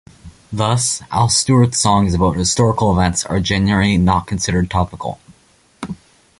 Thus, Al Stewart's songs about historical events are generally not considered topical.